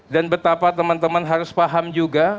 dan betapa teman teman harus paham juga